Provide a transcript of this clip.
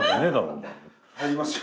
入りますよ。